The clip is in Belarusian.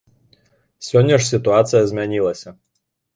Сёння ж сітуацыя змянілася.